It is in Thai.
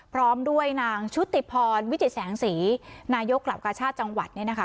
พร้อมด้วยนางชุติพรวิจิตแสงสีนายกกลับกาชาติจังหวัดเนี่ยนะคะ